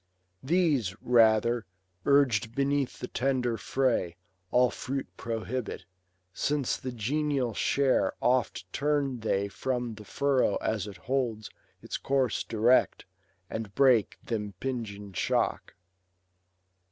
191 These, rather, urg'd beneath thie tender fray, All fruit prohibit ; since the genial share Oft tarn they from the furrow as it holds Its course direct, and break th' impinging shock.